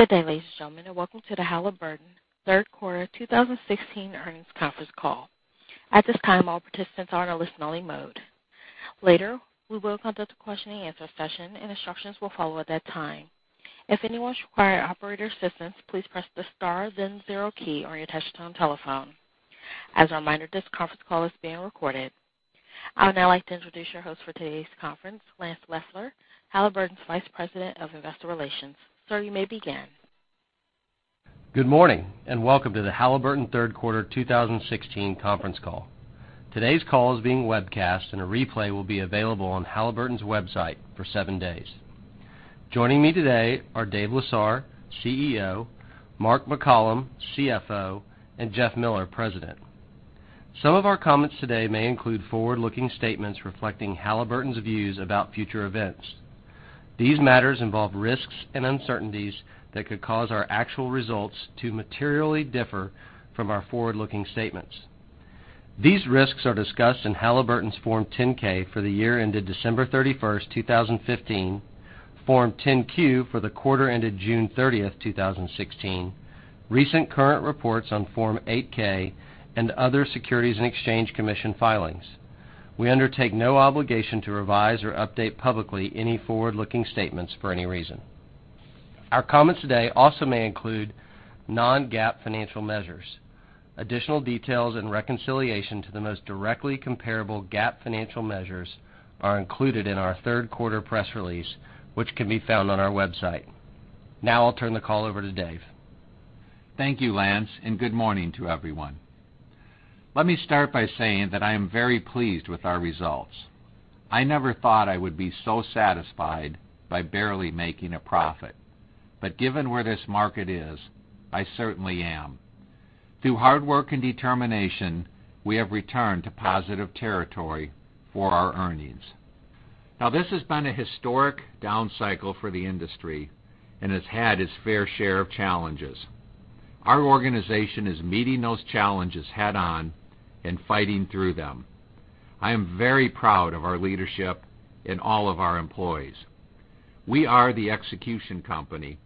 Good day, ladies and gentlemen, welcome to the Halliburton third quarter 2016 earnings conference call. At this time, all participants are in a listen-only mode. Later, we will conduct a question-and-answer session, and instructions will follow at that time. If anyone requires operator assistance, please press the star then zero key on your touch-tone telephone. As a reminder, this conference call is being recorded. I would now like to introduce your host for today's conference, Lance Loeffler, Halliburton's Vice President of Investor Relations. Sir, you may begin. Good morning, welcome to the Halliburton third quarter 2016 conference call. Today's call is being webcast, and a replay will be available on Halliburton's website for seven days. Joining me today are Dave Lesar, CEO, Mark McCollum, CFO, and Jeff Miller, President. Some of our comments today may include forward-looking statements reflecting Halliburton's views about future events. These matters involve risks and uncertainties that could cause our actual results to materially differ from our forward-looking statements. These risks are discussed in Halliburton's Form 10-K for the year ended December 31st, 2015, Form 10-Q for the quarter ended June 30th, 2016, recent current reports on Form 8-K and other Securities and Exchange Commission filings. We undertake no obligation to revise or update publicly any forward-looking statements for any reason. Our comments today also may include non-GAAP financial measures. Additional details and reconciliation to the most directly comparable GAAP financial measures are included in our third quarter press release, which can be found on our website. Now I'll turn the call over to Dave. Thank you, Lance, and good morning to everyone. Let me start by saying that I am very pleased with our results. I never thought I would be so satisfied by barely making a profit, but given where this market is, I certainly am. Through hard work and determination, we have returned to positive territory for our earnings. This has been a historic down cycle for the industry and has had its fair share of challenges. Our organization is meeting those challenges head-on and fighting through them. I am very proud of our leadership and all of our employees. We are the execution company,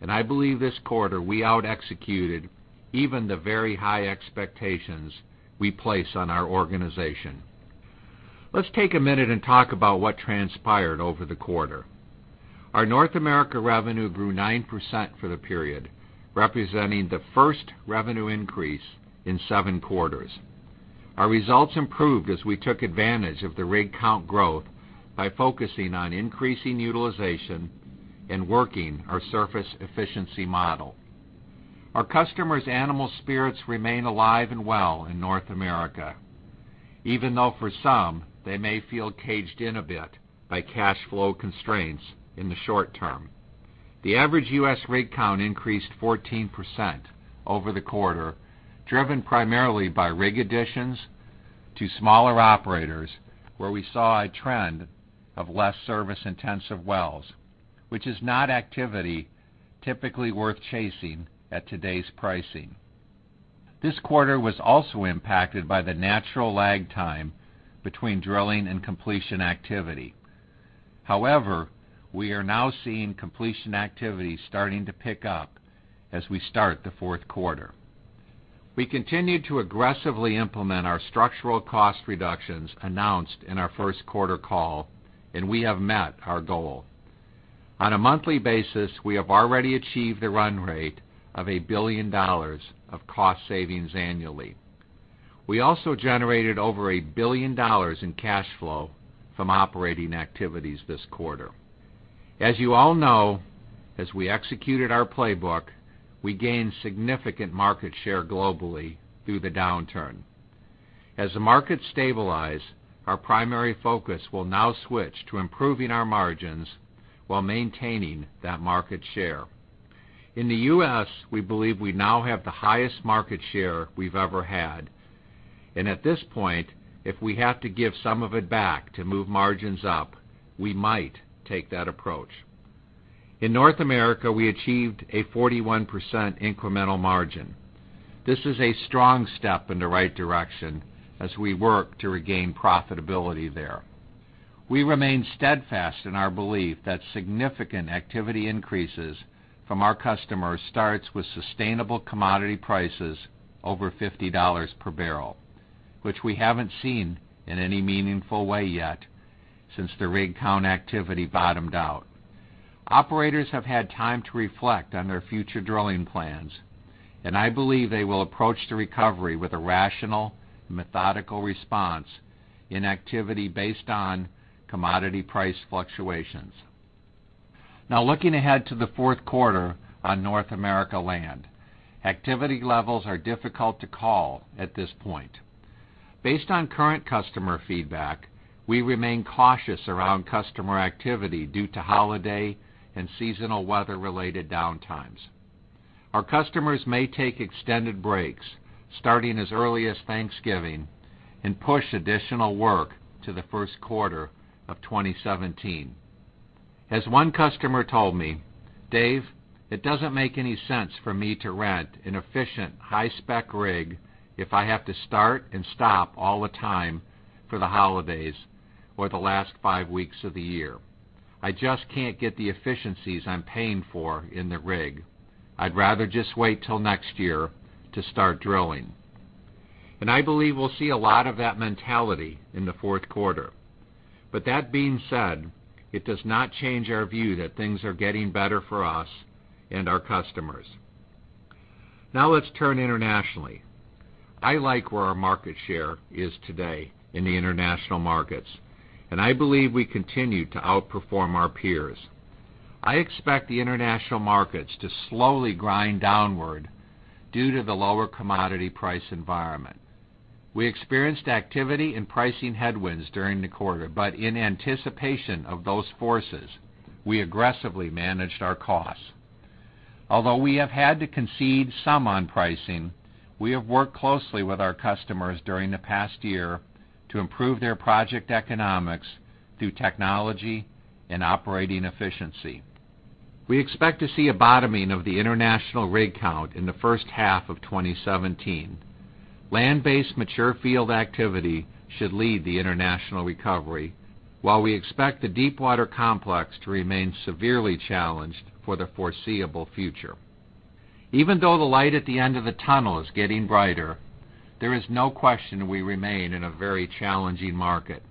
and I believe this quarter we outexecuted even the very high expectations we place on our organization. Let's take a minute and talk about what transpired over the quarter. Our North America revenue grew 9% for the period, representing the first revenue increase in seven quarters. Our results improved as we took advantage of the rig count growth by focusing on increasing utilization and working our surface efficiency model. Our customers' animal spirits remain alive and well in North America, even though for some, they may feel caged in a bit by cash flow constraints in the short term. The average U.S. rig count increased 14% over the quarter, driven primarily by rig additions to smaller operators, where we saw a trend of less service-intensive wells, which is not activity typically worth chasing at today's pricing. This quarter was also impacted by the natural lag time between drilling and completion activity. However, we are now seeing completion activity starting to pick up as we start the fourth quarter. We continued to aggressively implement our structural cost reductions announced in our first quarter call. We have met our goal. On a monthly basis, we have already achieved a run rate of $1 billion of cost savings annually. We also generated over $1 billion in cash flow from operating activities this quarter. As you all know, as we executed our playbook, we gained significant market share globally through the downturn. As the markets stabilize, our primary focus will now switch to improving our margins while maintaining that market share. In the U.S., we believe we now have the highest market share we've ever had. At this point, if we have to give some of it back to move margins up, we might take that approach. In North America, we achieved a 41% incremental margin. This is a strong step in the right direction as we work to regain profitability there. We remain steadfast in our belief that significant activity increases from our customers starts with sustainable commodity prices over $50 per barrel, which we haven't seen in any meaningful way yet since the rig count activity bottomed out. Operators have had time to reflect on their future drilling plans. I believe they will approach the recovery with a rational, methodical response in activity based on commodity price fluctuations. Looking ahead to the fourth quarter on North America land. Activity levels are difficult to call at this point. Based on current customer feedback, we remain cautious around customer activity due to holiday and seasonal weather-related downtimes. Our customers may take extended breaks starting as early as Thanksgiving and push additional work to the first quarter of 2017. As one customer told me, "Dave, it doesn't make any sense for me to rent an efficient high-spec rig if I have to start and stop all the time for the holidays." Or the last five weeks of the year. I just can't get the efficiencies I'm paying for in the rig. I'd rather just wait till next year to start drilling. I believe we'll see a lot of that mentality in the fourth quarter. That being said, it does not change our view that things are getting better for us and our customers. Let's turn internationally. I like where our market share is today in the international markets. I believe we continue to outperform our peers. I expect the international markets to slowly grind downward due to the lower commodity price environment. We experienced activity in pricing headwinds during the quarter. In anticipation of those forces, we aggressively managed our costs. Although we have had to concede some on pricing, we have worked closely with our customers during the past year to improve their project economics through technology and operating efficiency. We expect to see a bottoming of the international rig count in the first half of 2017. Land-based mature field activity should lead the international recovery, while we expect the deepwater complex to remain severely challenged for the foreseeable future. Even though the light at the end of the tunnel is getting brighter, there is no question we remain in a very challenging market.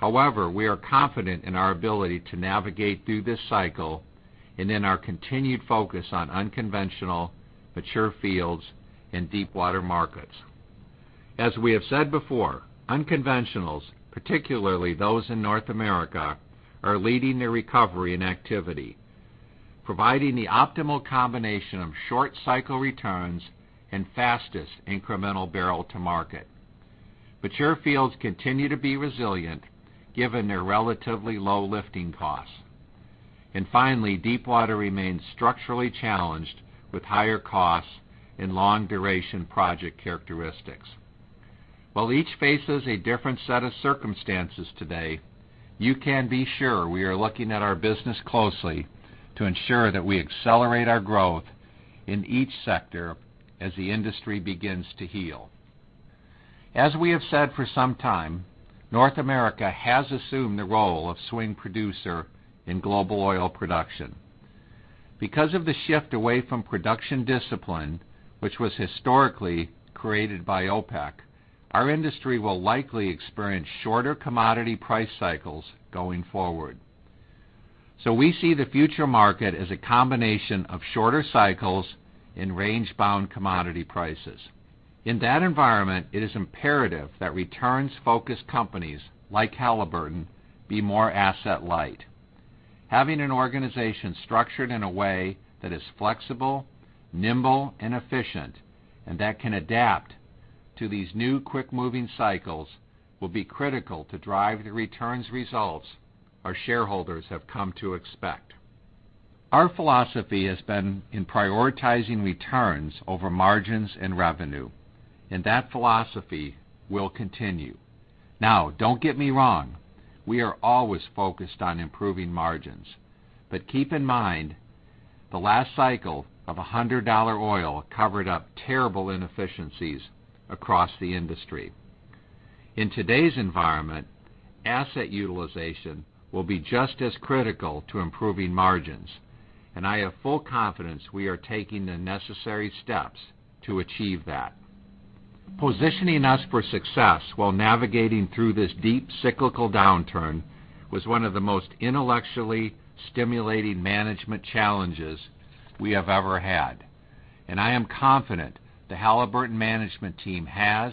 We are confident in our ability to navigate through this cycle and in our continued focus on unconventional mature fields and deepwater markets. As we have said before, unconventionals, particularly those in North America, are leading the recovery in activity, providing the optimal combination of short cycle returns and fastest incremental barrel to market. Mature fields continue to be resilient given their relatively low lifting costs. Finally, deepwater remains structurally challenged with higher costs and long-duration project characteristics. While each faces a different set of circumstances today, you can be sure we are looking at our business closely to ensure that we accelerate our growth in each sector as the industry begins to heal. As we have said for some time, North America has assumed the role of swing producer in global oil production. Because of the shift away from production discipline, which was historically created by OPEC, our industry will likely experience shorter commodity price cycles going forward. We see the future market as a combination of shorter cycles and range-bound commodity prices. In that environment, it is imperative that returns-focused companies like Halliburton be more asset light. Having an organization structured in a way that is flexible, nimble and efficient, and that can adapt to these new, quick-moving cycles will be critical to drive the returns results our shareholders have come to expect. Our philosophy has been in prioritizing returns over margins and revenue. That philosophy will continue. Now, don't get me wrong, we are always focused on improving margins. Keep in mind the last cycle of $100 oil covered up terrible inefficiencies across the industry. In today's environment, asset utilization will be just as critical to improving margins. I have full confidence we are taking the necessary steps to achieve that. Positioning us for success while navigating through this deep cyclical downturn was one of the most intellectually stimulating management challenges we have ever had. I am confident the Halliburton management team has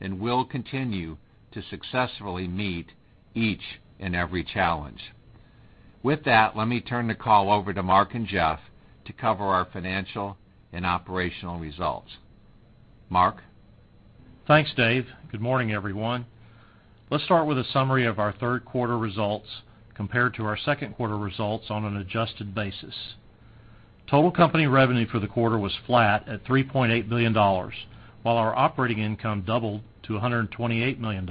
and will continue to successfully meet each and every challenge. With that, let me turn the call over to Mark and Jeff to cover our financial and operational results. Mark? Thanks, Dave. Good morning, everyone. Let's start with a summary of our third quarter results compared to our second quarter results on an adjusted basis. Total company revenue for the quarter was flat at $3.8 billion, while our operating income doubled to $128 million.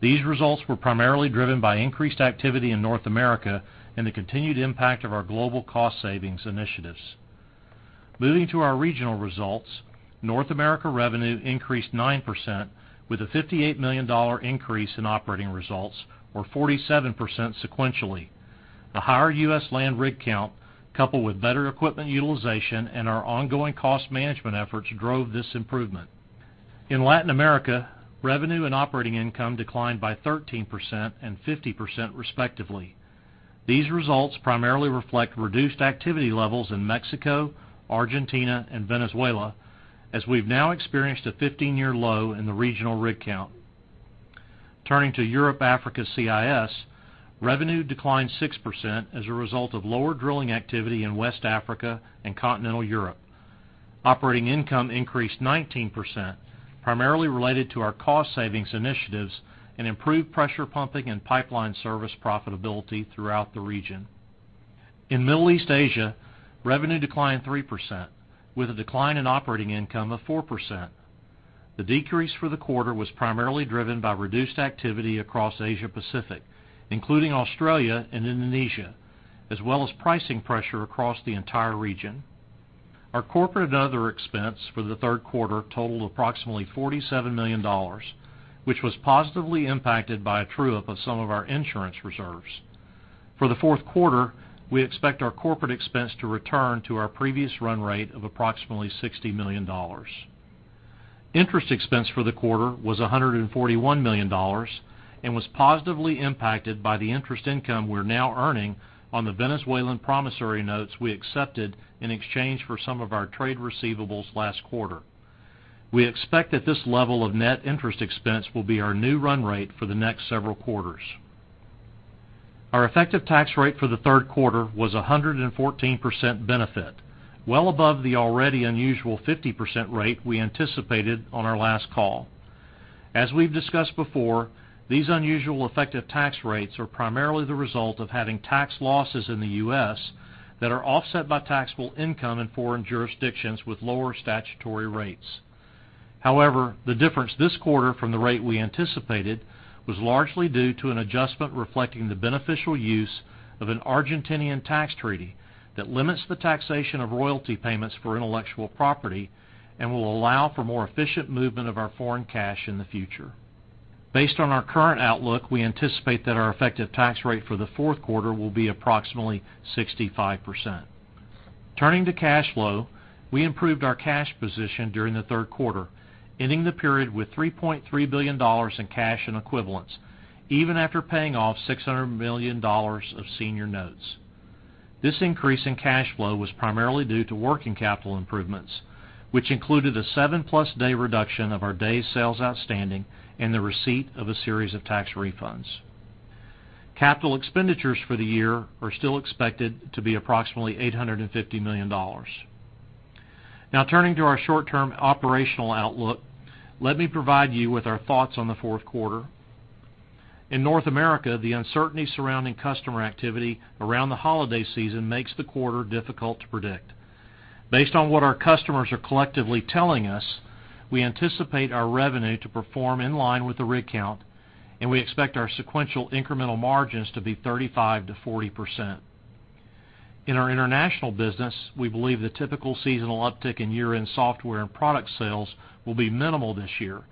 These results were primarily driven by increased activity in North America and the continued impact of our global cost savings initiatives. Moving to our regional results, North America revenue increased 9% with a $58 million increase in operating results, or 47% sequentially. The higher U.S. land rig count, coupled with better equipment utilization and our ongoing cost management efforts, drove this improvement. In Latin America, revenue and operating income declined by 13% and 50% respectively. These results primarily reflect reduced activity levels in Mexico, Argentina, and Venezuela, as we've now experienced a 15-year low in the regional rig count. Turning to Europe, Africa, CIS, revenue declined 6% as a result of lower drilling activity in West Africa and continental Europe. Operating income increased 19%, primarily related to our cost savings initiatives and improved pressure pumping and pipeline service profitability throughout the region. In Middle East Asia, revenue declined 3%, with a decline in operating income of 4%. The decrease for the quarter was primarily driven by reduced activity across Asia Pacific, including Australia and Indonesia, as well as pricing pressure across the entire region. Our corporate and other expense for the third quarter totaled approximately $47 million, which was positively impacted by a true-up of some of our insurance reserves. For the fourth quarter, we expect our corporate expense to return to our previous run rate of approximately $60 million. Interest expense for the quarter was $141 million and was positively impacted by the interest income we're now earning on the Venezuelan promissory notes we accepted in exchange for some of our trade receivables last quarter. We expect that this level of net interest expense will be our new run rate for the next several quarters. Our effective tax rate for the third quarter was 114% benefit, well above the already unusual 50% rate we anticipated on our last call. As we've discussed before, these unusual effective tax rates are primarily the result of having tax losses in the U.S. that are offset by taxable income in foreign jurisdictions with lower statutory rates. The difference this quarter from the rate we anticipated was largely due to an adjustment reflecting the beneficial use of an Argentinian tax treaty that limits the taxation of royalty payments for intellectual property and will allow for more efficient movement of our foreign cash in the future. Based on our current outlook, we anticipate that our effective tax rate for the fourth quarter will be approximately 65%. Turning to cash flow, we improved our cash position during the third quarter, ending the period with $3.3 billion in cash and equivalents, even after paying off $600 million of senior notes. This increase in cash flow was primarily due to working capital improvements, which included a seven-plus day reduction of our days sales outstanding and the receipt of a series of tax refunds. Capital expenditures for the year are still expected to be approximately $850 million. Turning to our short-term operational outlook, let me provide you with our thoughts on the fourth quarter. In North America, the uncertainty surrounding customer activity around the holiday season makes the quarter difficult to predict. Based on what our customers are collectively telling us, we anticipate our revenue to perform in line with the rig count, and we expect our sequential incremental margins to be 35%-40%. In our international business, we believe the typical seasonal uptick in year-end software and product sales will be minimal this year,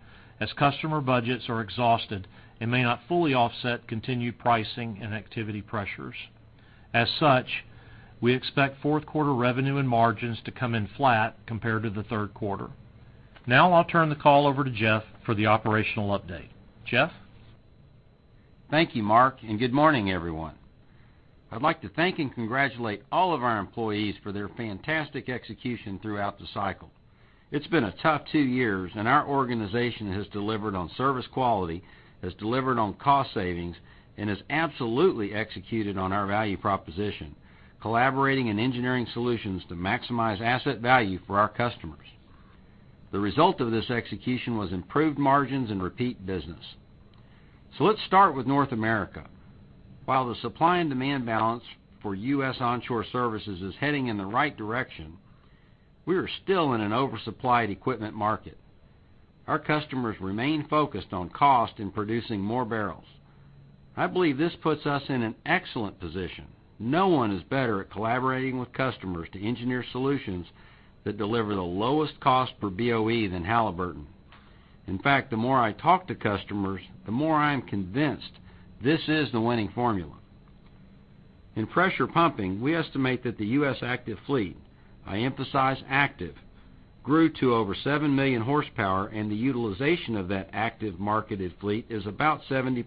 as customer budgets are exhausted and may not fully offset continued pricing and activity pressures. As such, we expect fourth quarter revenue and margins to come in flat compared to the third quarter. I'll turn the call over to Jeff for the operational update. Jeff? Thank you, Mark. Good morning, everyone. I'd like to thank and congratulate all of our employees for their fantastic execution throughout the cycle. It's been a tough two years, our organization has delivered on service quality, has delivered on cost savings, and has absolutely executed on our value proposition, collaborating and engineering solutions to maximize asset value for our customers. The result of this execution was improved margins and repeat business. Let's start with North America. While the supply and demand balance for U.S. onshore services is heading in the right direction, we are still in an oversupplied equipment market. Our customers remain focused on cost and producing more barrels. I believe this puts us in an excellent position. No one is better at collaborating with customers to engineer solutions that deliver the lowest cost per BOE than Halliburton. In fact, the more I talk to customers, the more I am convinced this is the winning formula. In pressure pumping, we estimate that the U.S. active fleet, I emphasize active, grew to over seven million horsepower, and the utilization of that active marketed fleet is about 70%.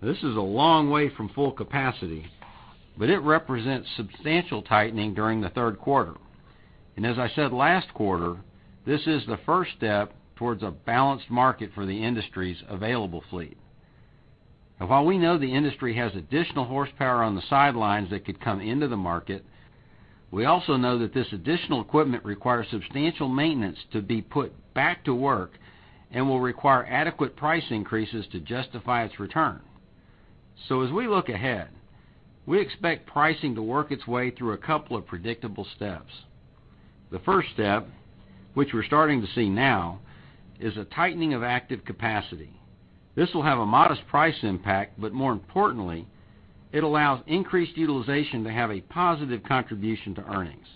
This is a long way from full capacity, but it represents substantial tightening during the third quarter. As I said last quarter, this is the first step towards a balanced market for the industry's available fleet. While we know the industry has additional horsepower on the sidelines that could come into the market, we also know that this additional equipment requires substantial maintenance to be put back to work and will require adequate price increases to justify its return. As we look ahead, we expect pricing to work its way through a couple of predictable steps. The first step, which we're starting to see now, is a tightening of active capacity. This will have a modest price impact, but more importantly, it allows increased utilization to have a positive contribution to earnings.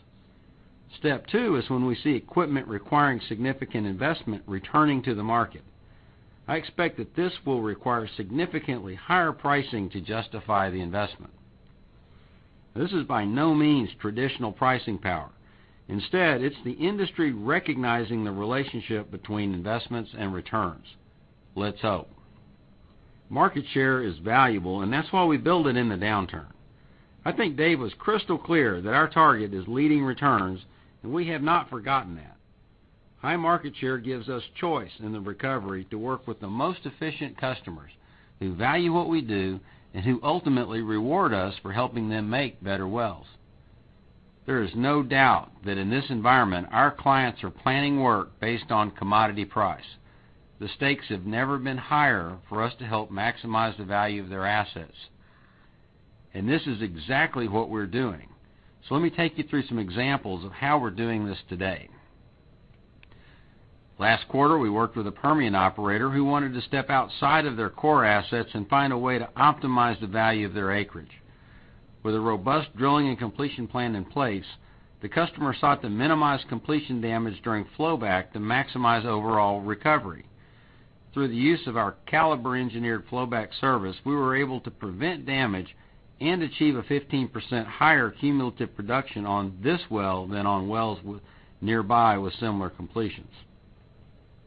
Step 2 is when we see equipment requiring significant investment returning to the market. I expect that this will require significantly higher pricing to justify the investment. This is by no means traditional pricing power. Instead, it's the industry recognizing the relationship between investments and returns. Let's hope. Market share is valuable, that's why we build it in the downturn. I think Dave was crystal clear that our target is leading returns, we have not forgotten that. High market share gives us choice in the recovery to work with the most efficient customers who value what we do and who ultimately reward us for helping them make better wells. There is no doubt that in this environment, our clients are planning work based on commodity price. The stakes have never been higher for us to help maximize the value of their assets. This is exactly what we're doing. Let me take you through some examples of how we're doing this today. Last quarter, we worked with a Permian operator who wanted to step outside of their core assets and find a way to optimize the value of their acreage. With a robust drilling and completion plan in place, the customer sought to minimize completion damage during flowback to maximize overall recovery. Through the use of our Caliber engineered flowback service, we were able to prevent damage and achieve a 15% higher cumulative production on this well than on wells nearby with similar completions.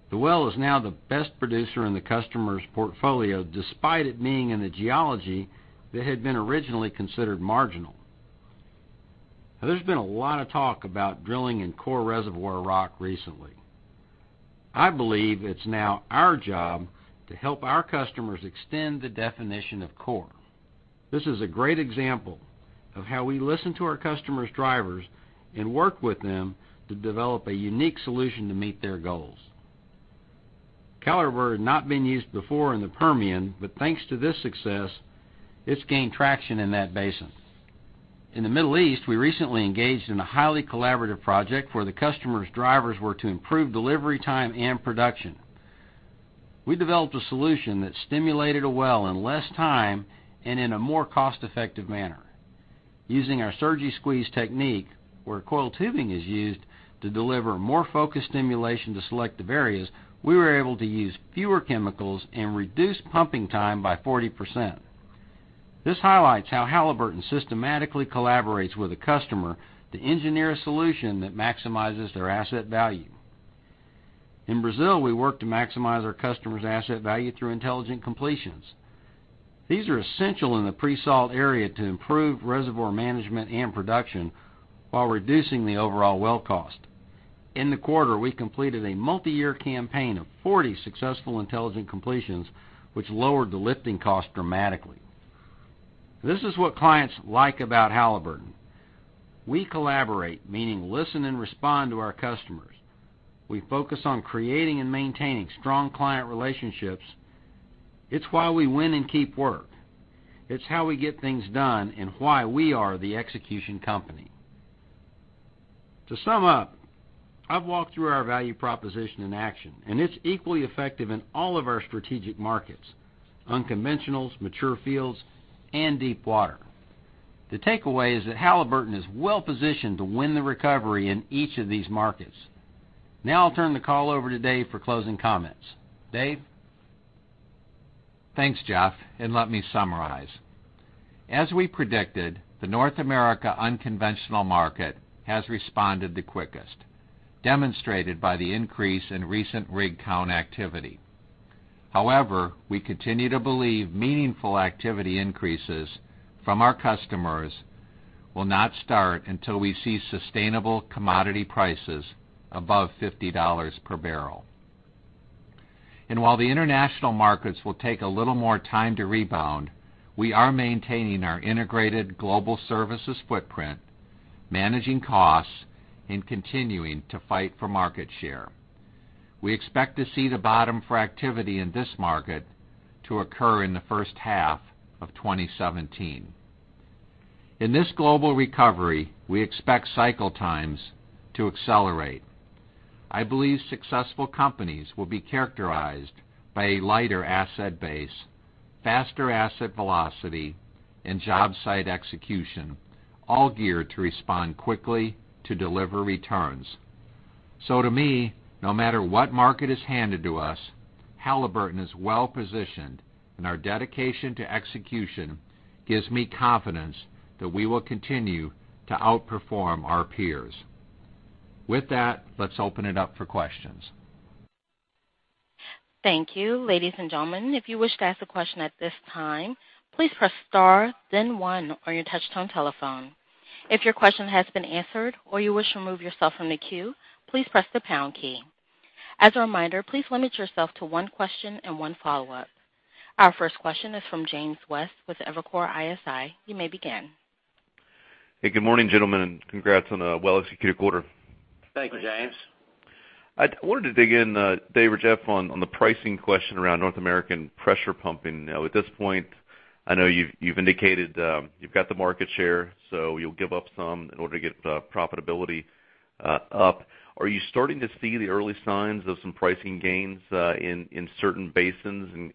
The well is now the best producer in the customer's portfolio, despite it being in the geology that had been originally considered marginal. There's been a lot of talk about drilling in core reservoir rock recently. I believe it's now our job to help our customers extend the definition of core. This is a great example of how we listen to our customer's drivers and work with them to develop a unique solution to meet their goals. Caliber had not been used before in the Permian, but thanks to this success, it's gained traction in that basin. In the Middle East, we recently engaged in a highly collaborative project where the customer's drivers were to improve delivery time and production. We developed a solution that stimulated a well in less time and in a more cost-effective manner. Using our SurgiFrac technique, where coiled tubing is used to deliver more focused stimulation to selective areas, we were able to use fewer chemicals and reduce pumping time by 40%. This highlights how Halliburton systematically collaborates with a customer to engineer a solution that maximizes their asset value. In Brazil, we work to maximize our customer's asset value through intelligent completions. These are essential in the pre-salt area to improve reservoir management and production while reducing the overall well cost. In the quarter, we completed a multi-year campaign of 40 successful intelligent completions, which lowered the lifting cost dramatically. This is what clients like about Halliburton. We collaborate, meaning listen and respond to our customers. We focus on creating and maintaining strong client relationships. It's why we win and keep work. It's how we get things done and why we are the execution company. To sum up, I've walked through our value proposition in action. It's equally effective in all of our strategic markets: unconventionals, mature fields, and deep water. The takeaway is that Halliburton is well positioned to win the recovery in each of these markets. Now I'll turn the call over to Dave for closing comments. Dave? Thanks, Jeff. Let me summarize. As we predicted, the North America unconventional market has responded the quickest, demonstrated by the increase in recent rig count activity. However, we continue to believe meaningful activity increases from our customers will not start until we see sustainable commodity prices above $50 per barrel. While the international markets will take a little more time to rebound, we are maintaining our integrated global services footprint, managing costs, and continuing to fight for market share. We expect to see the bottom for activity in this market to occur in the first half of 2017. In this global recovery, we expect cycle times to accelerate. I believe successful companies will be characterized by a lighter asset base, faster asset velocity, and job site execution, all geared to respond quickly to deliver returns. To me, no matter what market is handed to us, Halliburton is well positioned. Our dedication to execution gives me confidence that we will continue to outperform our peers. With that, let's open it up for questions. Thank you. Ladies and gentlemen, if you wish to ask a question at this time, please press star then one on your touchtone telephone. If your question has been answered or you wish to remove yourself from the queue, please press the pound key. As a reminder, please limit yourself to one question and one follow-up. Our first question is from James West with Evercore ISI. You may begin. Hey, good morning, gentlemen. Congrats on a well-executed quarter. Thank you, James. I wanted to dig in, Dave or Jeff, on the pricing question around North American pressure pumping. At this point, I know you've indicated you've got the market share, so you'll give up some in order to get profitability up. Are you starting to see the early signs of some pricing gains in certain basins?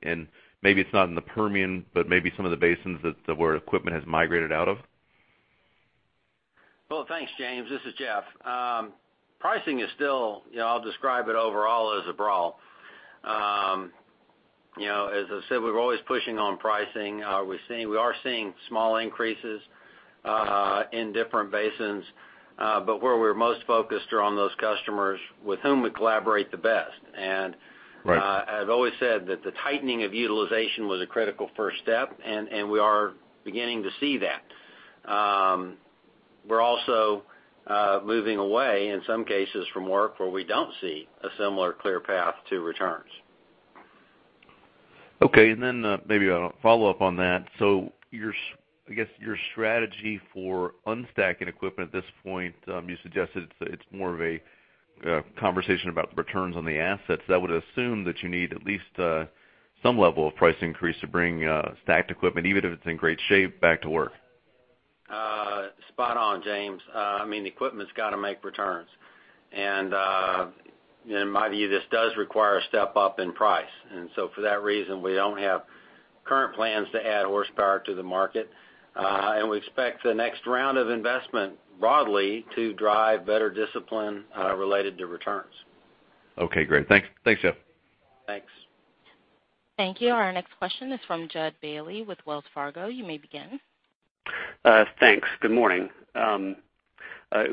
Maybe it's not in the Permian, but maybe some of the basins where equipment has migrated out of? Well, thanks, James. This is Jeff. Pricing is still, I'll describe it overall as a brawl. As I said, we're always pushing on pricing. We are seeing small increases in different basins, where we're most focused are on those customers with whom we collaborate the best. Right. I've always said that the tightening of utilization was a critical first step, and we are beginning to see that. We're also moving away in some cases from work where we don't see a similar clear path to returns. Okay, maybe a follow-up on that. I guess your strategy for unstacking equipment at this point, you suggested it's more of a conversation about the returns on the assets. I would assume that you need at least some level of price increase to bring stacked equipment, even if it's in great shape, back to work. Spot on, James. The equipment's got to make returns. In my view, this does require a step up in price. For that reason, we don't have current plans to add horsepower to the market. We expect the next round of investment broadly to drive better discipline related to returns. Okay, great. Thanks, Jeff. Thanks. Thank you. Our next question is from Judd Bailey with Wells Fargo. You may begin. Thanks. Good morning.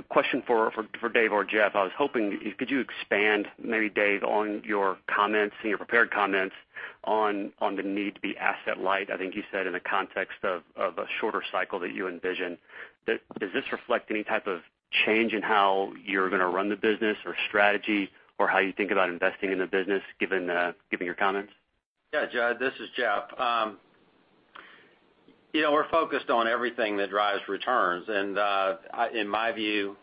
Question for Dave or Jeff. I was hoping, could you expand maybe Dave, on your comments and your prepared comments on the need to be asset light? I think you said in the context of a shorter cycle that you envision. Does this reflect any type of change in how you're going to run the business or strategy or how you think about investing in the business, given your comments? Yeah, Judd, this is Jeff. We're focused on everything that drives returns. In my view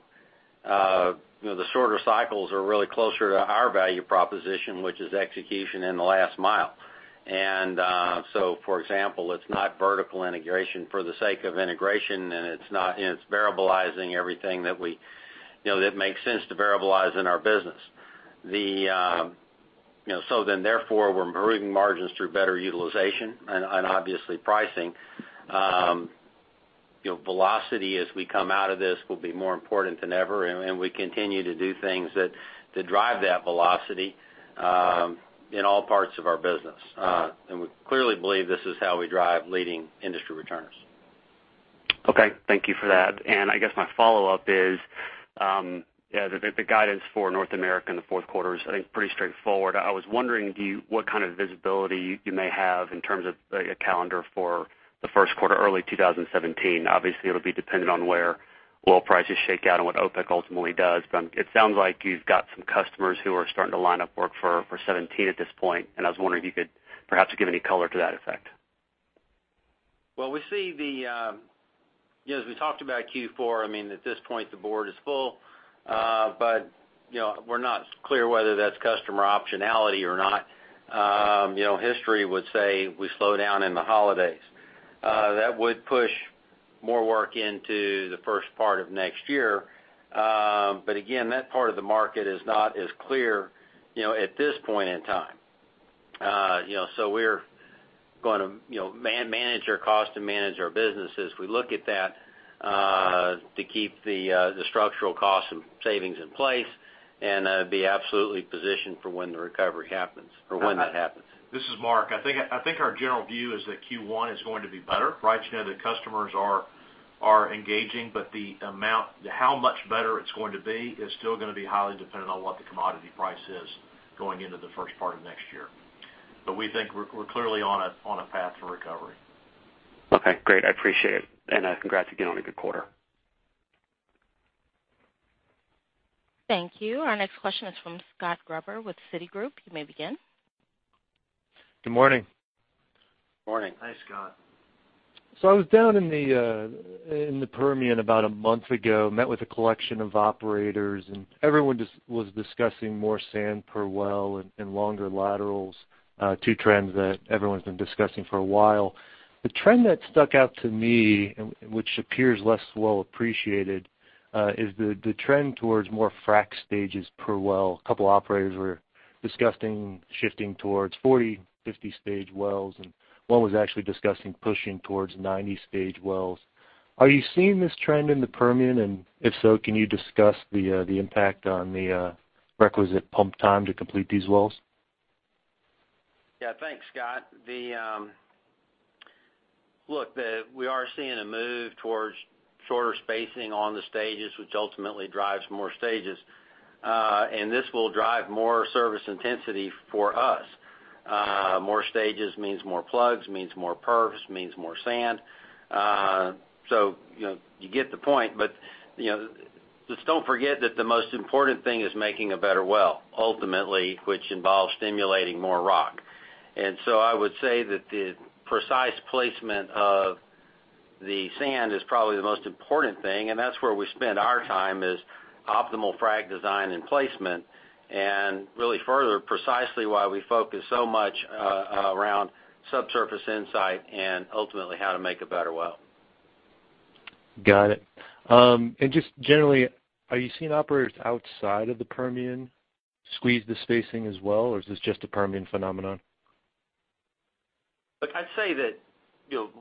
the shorter cycles are really closer to our value proposition, which is execution in the last mile. For example, it's not vertical integration for the sake of integration and it's variabilizing everything that makes sense to variabilize in our business. Therefore we're improving margins through better utilization and obviously pricing. Velocity as we come out of this will be more important than ever, and we continue to do things to drive that velocity in all parts of our business. We clearly believe this is how we drive leading industry returns. Okay. Thank you for that. I guess my follow-up is the guidance for North America in the fourth quarter is I think pretty straightforward. I was wondering what kind of visibility you may have in terms of a calendar for the first quarter, early 2017. Obviously, it'll be dependent on where oil prices shake out and what OPEC ultimately does, but it sounds like you've got some customers who are starting to line up work for '17 at this point, and I was wondering if you could perhaps give any color to that effect. As we talked about Q4, at this point, the board is full, but we're not clear whether that's customer optionality or not. History would say we slow down in the holidays. That would push more work into the first part of next year. Again, that part of the market is not as clear, at this point in time. We're going to manage our cost and manage our business as we look at that to keep the structural cost and savings in place and be absolutely positioned for when the recovery happens or when that happens. This is Mark. I think our general view is that Q1 is going to be better, right? How much better it's going to be is still going to be highly dependent on what the commodity price is going into the first part of next year. We think we're clearly on a path to recovery. Okay, great. I appreciate it. Congrats again on a good quarter. Thank you. Our next question is from Scott Gruber with Citigroup. You may begin. Good morning. Morning. Hi, Scott. I was down in the Permian about a month ago, met with a collection of operators, and everyone was discussing more sand per well and longer laterals, two trends that everyone's been discussing for a while. The trend that stuck out to me, which appears less well appreciated, is the trend towards more frac stages per well. A couple of operators were discussing shifting towards 40, 50 stage wells, and one was actually discussing pushing towards 90 stage wells. Are you seeing this trend in the Permian, and if so, can you discuss the impact on the requisite pump time to complete these wells? Thanks, Scott. Look, we are seeing a move towards shorter spacing on the stages, which ultimately drives more stages. This will drive more service intensity for us. More stages means more plugs, means more perfs, means more sand. You get the point, but just don't forget that the most important thing is making a better well, ultimately, which involves stimulating more rock. I would say that the precise placement of the sand is probably the most important thing, and that's where we spend our time is optimal frac design and placement, and really further, precisely why we focus so much around subsurface insight and ultimately how to make a better well. Got it. Just generally, are you seeing operators outside of the Permian squeeze the spacing as well, or is this just a Permian phenomenon? Look, I'd say that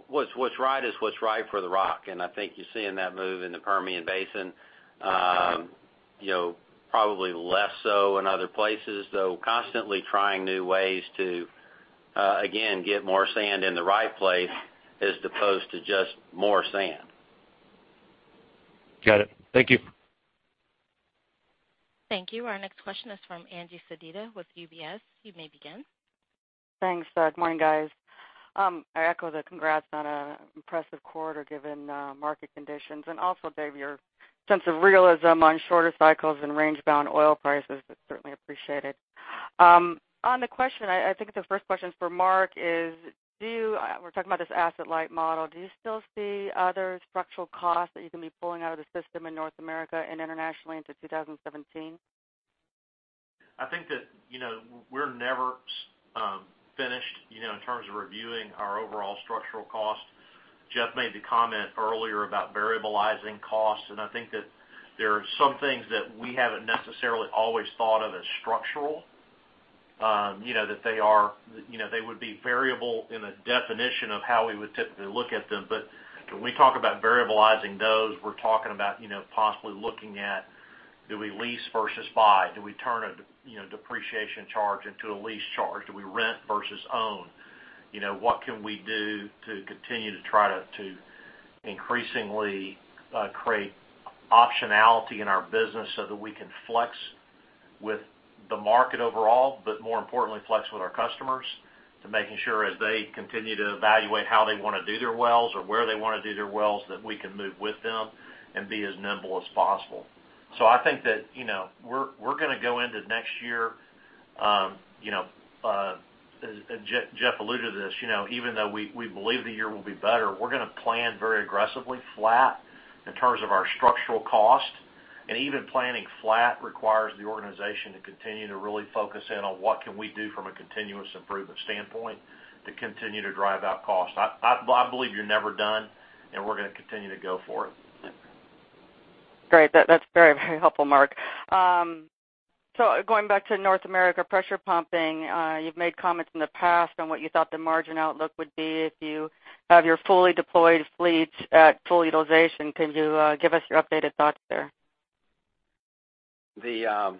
what's right is what's right for the rock, and I think you're seeing that move in the Permian Basin. Probably less so in other places, though constantly trying new ways to, again, get more sand in the right place as opposed to just more sand. Got it. Thank you. Thank you. Our next question is from Angie Sedita with UBS. You may begin. Thanks. Good morning, guys. I echo the congrats on an impressive quarter given market conditions. Also, Dave, your sense of realism on shorter cycles and range-bound oil prices is certainly appreciated. On the question, I think the first question is for Mark, we're talking about this asset-light model. Do you still see other structural costs that you can be pulling out of the system in North America and internationally into 2017? I think that we're never finished in terms of reviewing our overall structural cost. Jeff made the comment earlier about variabilizing costs. I think that there are some things that we haven't necessarily always thought of as structural, that they would be variable in the definition of how we would typically look at them. When we talk about variabilizing those, we're talking about possibly looking at do we lease versus buy? Do we turn a depreciation charge into a lease charge? Do we rent versus own? What can we do to continue to try to increasingly create optionality in our business so that we can flex with the market overall, but more importantly, flex with our customers to making sure as they continue to evaluate how they want to do their wells or where they want to do their wells, that we can move with them and be as nimble as possible. I think that we're going to go into next year, and Jeff alluded to this, even though we believe the year will be better, we're going to plan very aggressively flat in terms of our structural cost. Even planning flat requires the organization to continue to really focus in on what can we do from a continuous improvement standpoint to continue to drive out cost. I believe you're never done, and we're going to continue to go for it. Great. That's very helpful, Mark. Going back to North America, pressure pumping. You've made comments in the past on what you thought the margin outlook would be if you have your fully deployed fleets at full utilization. Can you give us your updated thoughts there? The?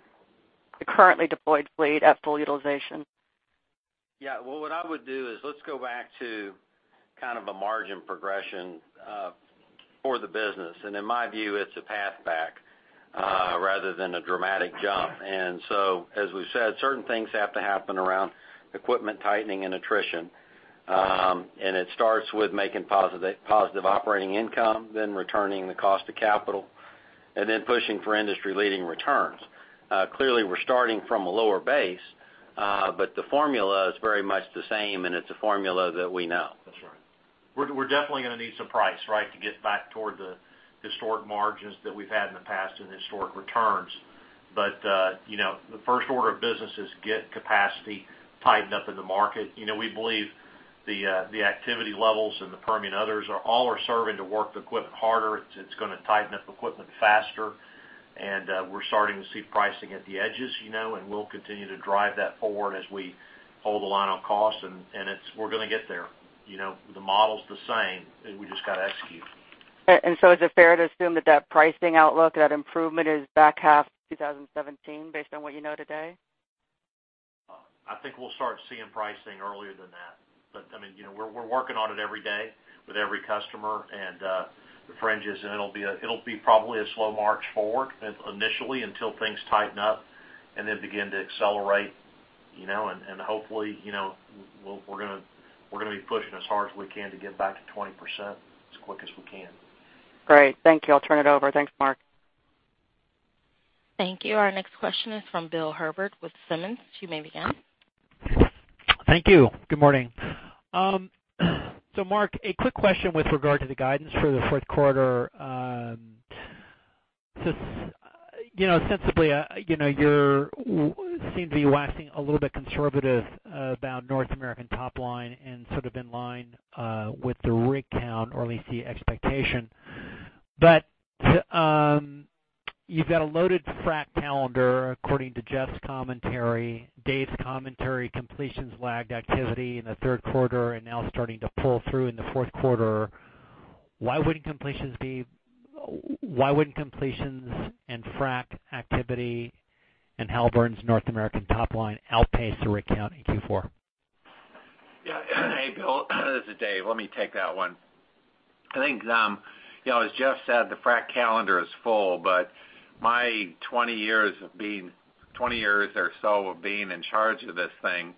The currently deployed fleet at full utilization. Yeah. Well, what I would do is let's go back to kind of a margin progression for the business. In my view, it's a path back rather than a dramatic jump. As we've said, certain things have to happen around equipment tightening and attrition. It starts with making positive operating income, then returning the cost of capital, and then pushing for industry-leading returns. Clearly, we're starting from a lower base, but the formula is very much the same, and it's a formula that we know. That's right. We're definitely going to need some price, right, to get back toward the historic margins that we've had in the past and the historic returns. The first order of business is get capacity tightened up in the market. We believe the activity levels in the Permian, others, all are serving to work the equipment harder. It's going to tighten up equipment faster, and we're starting to see pricing at the edges, and we'll continue to drive that forward as we hold the line on cost, and we're going to get there. The model's the same, and we just got to execute. Is it fair to assume that that pricing outlook, that improvement is back half 2017 based on what you know today? I think we'll start seeing pricing earlier than that. We're working on it every day with every customer and the fringes, and it'll be probably a slow march forward initially until things tighten up and then begin to accelerate. Hopefully, we're going to be pushing as hard as we can to get back to 20% as quick as we can. Great. Thank you. I'll turn it over. Thanks, Mark. Thank you. Our next question is from Bill Herbert with Simmons. You may begin. Thank you. Good morning. Mark, a quick question with regard to the guidance for the fourth quarter. Sensibly, you seem to be waxing a little bit conservative about North American top line and sort of in line with the rig count, or at least the expectation. You've got a loaded frac calendar, according to Jeff's commentary, Dave's commentary, completions lagged activity in the third quarter and now starting to pull through in the fourth quarter. Why wouldn't completions and frac activity and Halliburton's North American top line outpace the rig count in Q4? Hey, Bill, this is Dave. Let me take that one. I think, as Jeff said, the frac calendar is full, but my 20 years or so of being in charge of this thing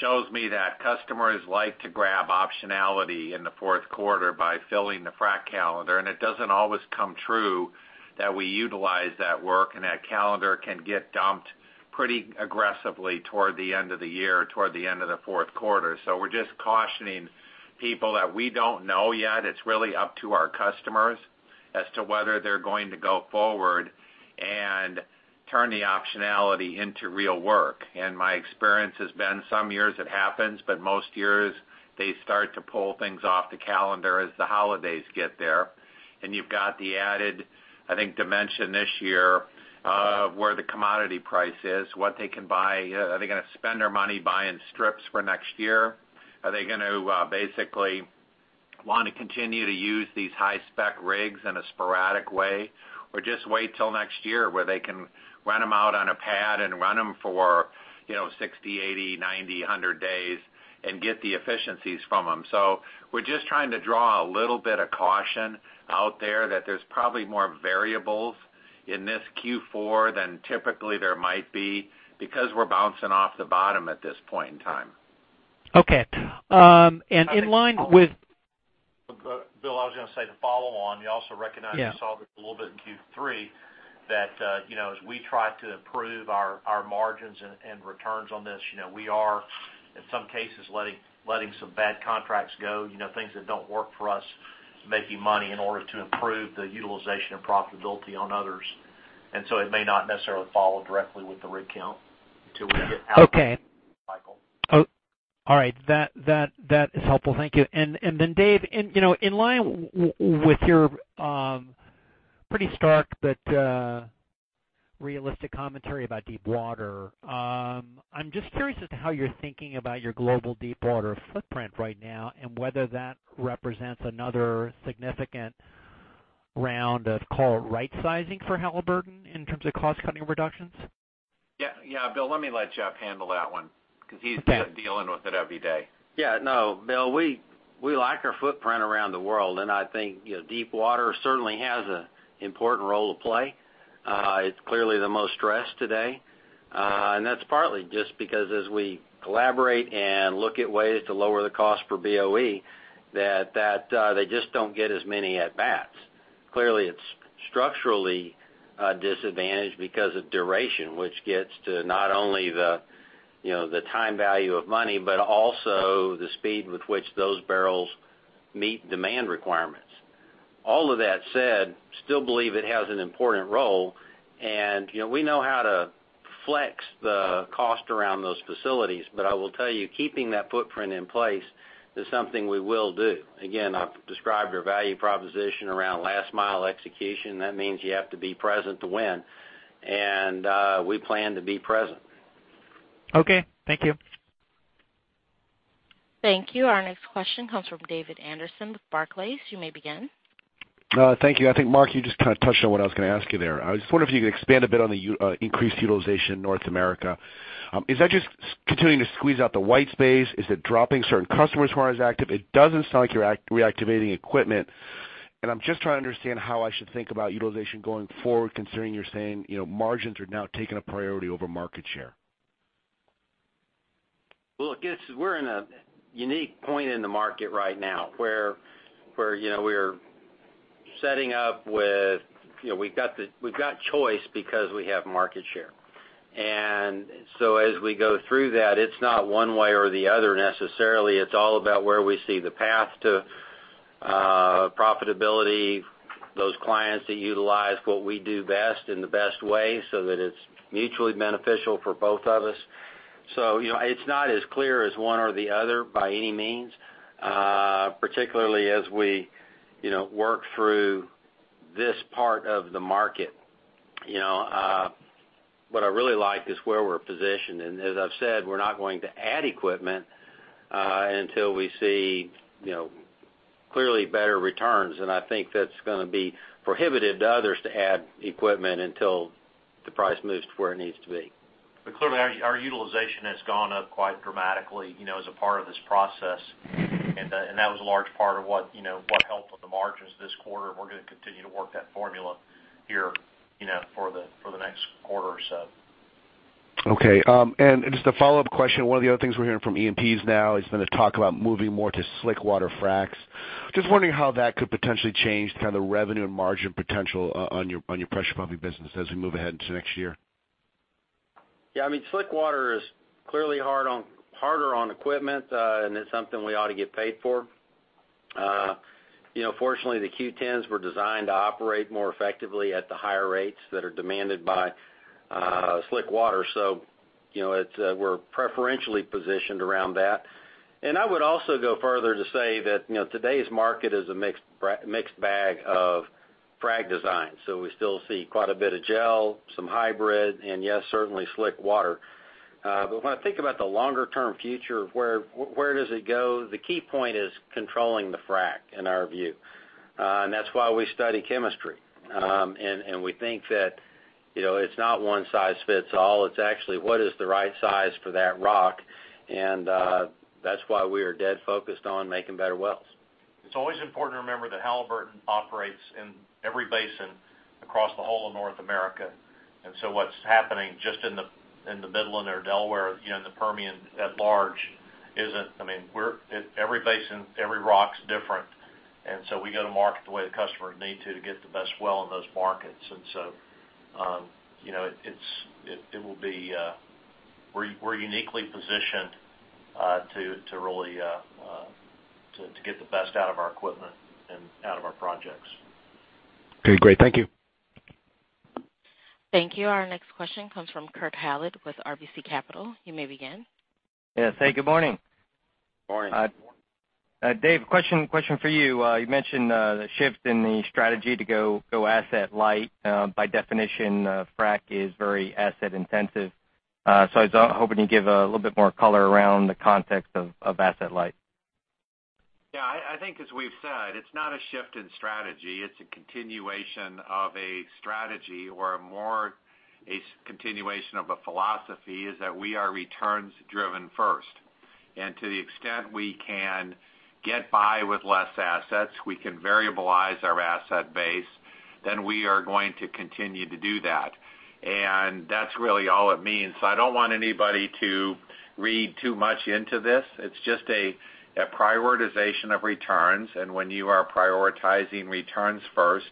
shows me that customers like to grab optionality in the fourth quarter by filling the frac calendar. It doesn't always come true that we utilize that work, that calendar can get dumped pretty aggressively toward the end of the year, toward the end of the fourth quarter. We're just cautioning people that we don't know yet. It's really up to our customers as to whether they're going to go forward and turn the optionality into real work. My experience has been some years it happens, but most years they start to pull things off the calendar as the holidays get there. You've got the added, I think, dimension this year of where the commodity price is, what they can buy. Are they going to spend their money buying strips for next year? Are they going to basically want to continue to use these high-spec rigs in a sporadic way? Or just wait till next year where they can rent them out on a pad and run them for 60, 80, 90, 100 days and get the efficiencies from them. We're just trying to draw a little bit of caution out there that there's probably more variables in this Q4 than typically there might be because we're bouncing off the bottom at this point in time. Okay. In line with- Bill, I was going to say the follow on. You also recognize we saw this a little bit in Q3 that as we try to improve our margins and returns on this, we are, in some cases, letting some bad contracts go, things that don't work for us. Making money in order to improve the utilization and profitability on others. It may not necessarily follow directly with the rig count until we hit- Okay Michael. All right. That is helpful. Thank you. Then Dave, in line with your pretty stark but realistic commentary about deep water, I'm just curious as to how you're thinking about your global deep water footprint right now, and whether that represents another significant round of call right-sizing for Halliburton in terms of cost-cutting reductions. Yeah. Bill, let me let Jeff handle that one, because he's kind of dealing with it every day. Yeah. No, Bill, we like our footprint around the world, and I think deep water certainly has an important role to play. It's clearly the most stressed today. That's partly just because as we collaborate and look at ways to lower the cost per BOE, that they just don't get as many at-bats. Clearly, it's structurally disadvantaged because of duration, which gets to not only the time value of money, but also the speed with which those barrels meet demand requirements. All of that said, still believe it has an important role. We know how to flex the cost around those facilities. I will tell you, keeping that footprint in place is something we will do. Again, I've described our value proposition around last mile execution. That means you have to be present to win, and we plan to be present. Okay, thank you. Thank you. Our next question comes from David Anderson with Barclays. You may begin. Thank you. I think, Mark, you just kind of touched on what I was going to ask you there. I was just wondering if you could expand a bit on the increased utilization in North America. Is that just continuing to squeeze out the white space? Is it dropping certain customers who aren't as active? It doesn't sound like you're reactivating equipment, and I'm just trying to understand how I should think about utilization going forward, considering you're saying margins are now taking a priority over market share. Look, we're in a unique point in the market right now where we've got choice because we have market share. As we go through that, it's not one way or the other necessarily. It's all about where we see the path to profitability, those clients that utilize what we do best in the best way so that it's mutually beneficial for both of us. It's not as clear as one or the other by any means, particularly as we work through this part of the market. What I really like is where we're positioned. As I've said, we're not going to add equipment until we see clearly better returns. I think that's going to be prohibitive to others to add equipment until the price moves to where it needs to be. Clearly, our utilization has gone up quite dramatically as a part of this process. That was a large part of what helped with the margins this quarter. We're going to continue to work that formula here for the next quarter or so. Okay. Just a follow-up question. One of the other things we're hearing from E&Ps now is going to talk about moving more to slick water fracs. Just wondering how that could potentially change the revenue and margin potential on your pressure pumping business as we move ahead into next year. Slick water is clearly harder on equipment, and it's something we ought to get paid for. Fortunately, the Q10s were designed to operate more effectively at the higher rates that are demanded by slick water. We're preferentially positioned around that. I would also go further to say that today's market is a mixed bag of frac design. We still see quite a bit of gel, some hybrid, and yes, certainly slick water. When I think about the longer term future of where does it go, the key point is controlling the frac in our view. That's why we study chemistry. We think that it's not one size fits all. It's actually what is the right size for that rock, and that's why we are dead focused on making better wells. It's always important to remember that Halliburton operates in every basin across the whole of North America. What's happening just in the Midland or Delaware, in the Permian at large, every basin, every rock's different. We go to market the way the customers need to get the best well in those markets. We're uniquely positioned to get the best out of our equipment and out of our projects. Okay, great. Thank you. Thank you. Our next question comes from Kurt Hallead with RBC Capital. You may begin. Yeah, thank you. Good morning. Morning. Dave, question for you. You mentioned the shift in the strategy to go asset light. By definition, frac is very asset intensive. I was hoping you'd give a little bit more color around the context of asset light. Yeah. I think as we've said, it's not a shift in strategy. It's a continuation of a strategy or more a continuation of a philosophy is that we are returns driven first. To the extent we can get by with less assets, we can variabilize our asset base, then we are going to continue to do that. That's really all it means. I don't want anybody to read too much into this. It's just a prioritization of returns. When you are prioritizing returns first,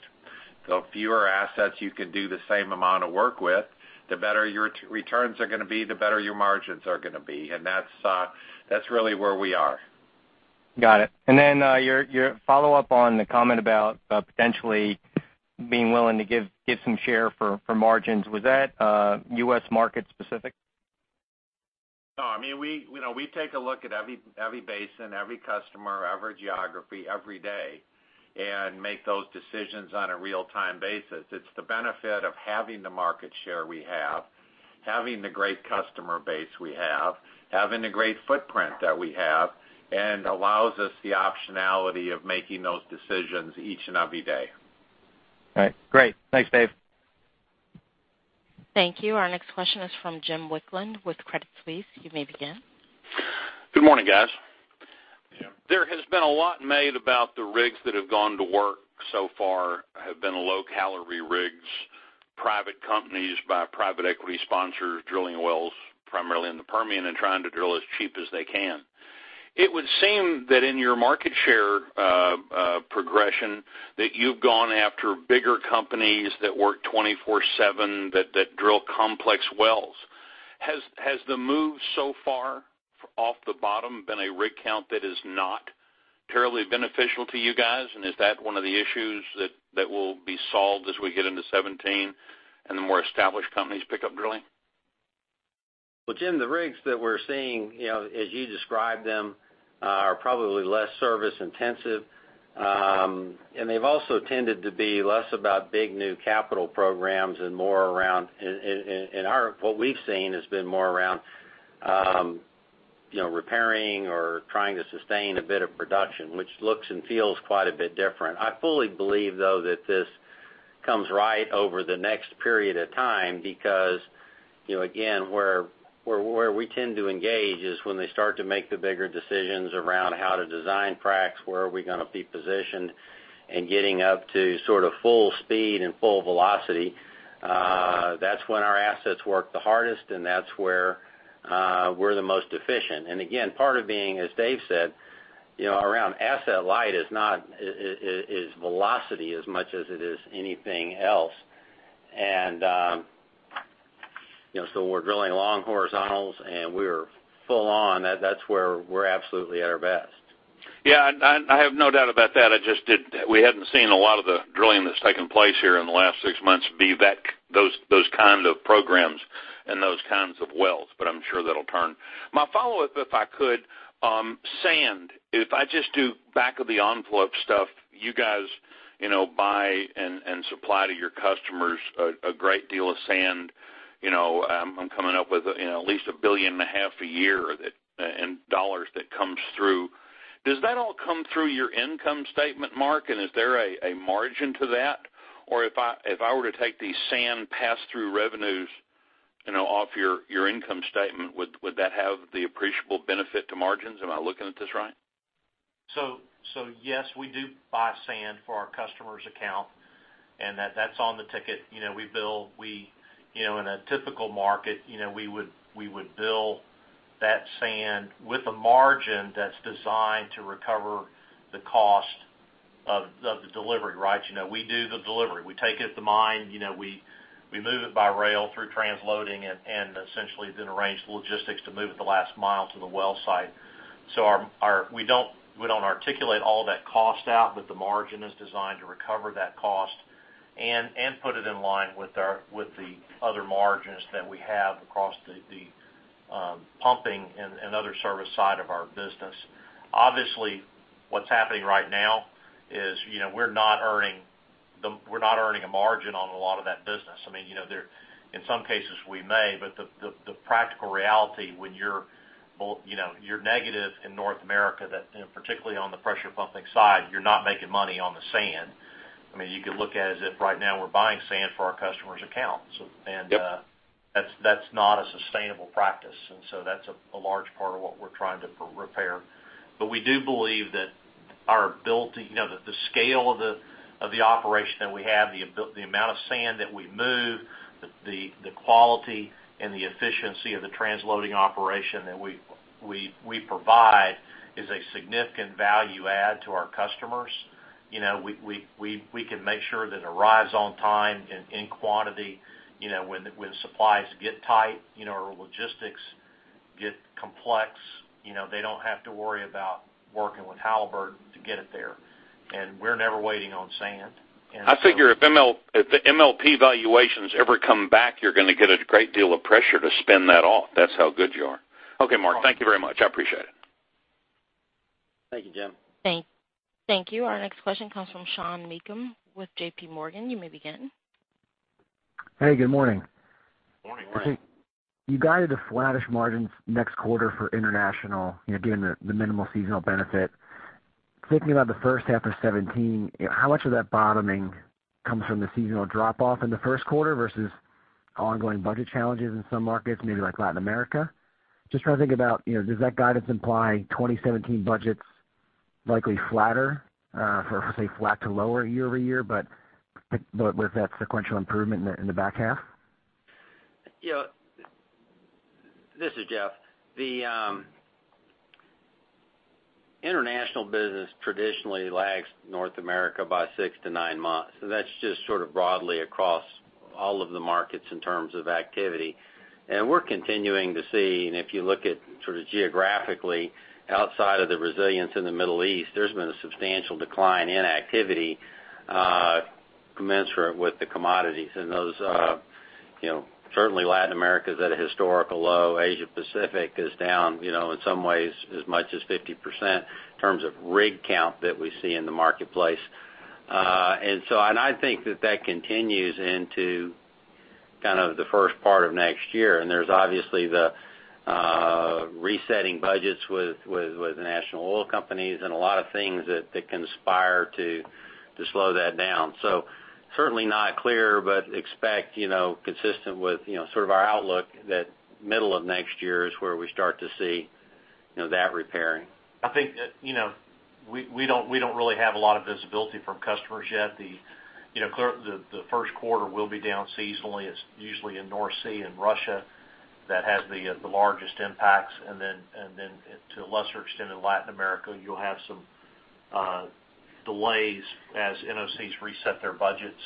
the fewer assets you can do the same amount of work with, the better your returns are going to be, the better your margins are going to be. That's really where we are. Got it. Then your follow-up on the comment about potentially being willing to give some share for margins. Was that U.S. market specific? No. We take a look at every basin, every customer, every geography, every day, make those decisions on a real-time basis. It's the benefit of having the market share we have, having the great customer base we have, having the great footprint that we have, allows us the optionality of making those decisions each and every day. All right. Great. Thanks, Dave. Thank you. Our next question is from Jim Wicklund with Credit Suisse. You may begin. Good morning, guys. Jim. There has been a lot made about the rigs that have gone to work so far have been low-calorie rigs, private companies by private equity sponsors, drilling wells primarily in the Permian and trying to drill as cheap as they can. It would seem that in your market share progression, that you've gone after bigger companies that work 24/7, that drill complex wells. Has the move so far off the bottom been a rig count that is not terribly beneficial to you guys, and is that one of the issues that will be solved as we get into 2017, and the more established companies pick up drilling? Well, Jim, the rigs that we're seeing, as you described them, are probably less service intensive. They've also tended to be less about big new capital programs and what we've seen has been more around repairing or trying to sustain a bit of production, which looks and feels quite a bit different. I fully believe, though, that this comes right over the next period of time because, again, where we tend to engage is when they start to make the bigger decisions around how to design fracs, where are we going to be positioned, and getting up to sort of full speed and full velocity. That's when our assets work the hardest, and that's where we're the most efficient. Again, part of being, as Dave said, around asset light is velocity as much as it is anything else. We're drilling long horizontals, and we're full on. That's where we're absolutely at our best. Yeah, I have no doubt about that. It's just that we hadn't seen a lot of the drilling that's taken place here in the last six months be those kinds of programs and those kinds of wells, but I'm sure that'll turn. My follow-up, if I could. Sand. If I just do back of the envelope stuff, you guys buy and supply to your customers a great deal of sand. I'm coming up with at least a billion and a half a year in dollars that comes through. Does that all come through your income statement, Mark? Is there a margin to that? Or if I were to take these sand pass-through revenues off your income statement, would that have the appreciable benefit to margins? Am I looking at this right? Yes, we do buy sand for our customers' account, and that's on the ticket. In a typical market, we would bill that sand with a margin that's designed to recover the cost of the delivery. We do the delivery. We take it to mine. We move it by rail through transloading and essentially arrange the logistics to move it the last mile to the well site. We don't articulate all that cost out, but the margin is designed to recover that cost and put it in line with the other margins that we have across the pumping and other service side of our business. Obviously, what's happening right now is we're not earning a margin on a lot of that business. In some cases we may, the practical reality when you're negative in North America, particularly on the pressure pumping side, you're not making money on the sand. You could look at it as if right now we're buying sand for our customers' accounts. Yep. That's not a sustainable practice. That's a large part of what we're trying to repair. We do believe that the scale of the operation that we have, the amount of sand that we move, the quality and the efficiency of the transloading operation that we provide is a significant value add to our customers. We can make sure that it arrives on time, in quantity. When supplies get tight or logistics get complex, they don't have to worry about working with Halliburton to get it there, and we're never waiting on sand. I figure if the MLP valuations ever come back, you're going to get a great deal of pressure to spend that off. That's how good you are. Okay, Mark, thank you very much. I appreciate it. Thank you, Jim. Thank you. Our next question comes from Sean Meakim with JP Morgan. You may begin. Hey, good morning. Morning. Morning. You guided the flattish margins next quarter for international, again, the minimal seasonal benefit. Thinking about the first half of 2017, how much of that bottoming comes from the seasonal drop-off in the first quarter versus ongoing budget challenges in some markets, maybe like Latin America? Just trying to think about, does that guidance imply 2017 budgets likely flatter for, say, flat to lower year-over-year, but with that sequential improvement in the back half? This is Jeff Miller. International business traditionally lags North America by six to nine months. That's just sort of broadly across all of the markets in terms of activity. We're continuing to see, if you look at sort of geographically outside of the resilience in the Middle East, there's been a substantial decline in activity commensurate with the commodities. Certainly Latin America is at a historical low. Asia Pacific is down, in some ways as much as 50% in terms of rig count that we see in the marketplace. I think that that continues into kind of the first part of next year, there's obviously the resetting budgets with the National Oil Companies and a lot of things that conspire to slow that down. Certainly not clear, but expect consistent with our outlook that middle of next year is where we start to see that repairing. I think that we don't really have a lot of visibility from customers yet. The first quarter will be down seasonally. It's usually in North Sea and Russia that has the largest impacts. Then to a lesser extent in Latin America, you'll have some delays as NOCs reset their budgets,